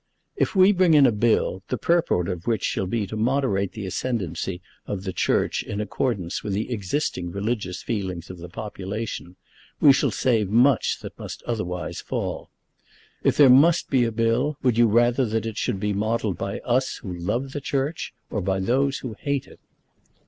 "If we bring in a bill, the purport of which shall be to moderate the ascendancy of the Church in accordance with the existing religious feelings of the population, we shall save much that otherwise must fall. If there must be a bill, would you rather that it should be modelled by us who love the Church, or by those who hate it?"